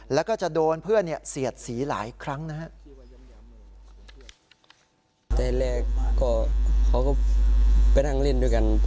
แล้วก็จะโดนเพื่อนเสียดสีหลายครั้งนะครับ